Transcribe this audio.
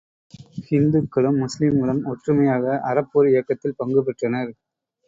ஹிந்துக்களும், முஸ்லீம்களும் ஒற்றுமையாக அறப்போர் இயக்கத்தில் பங்கு பெற்றனர்.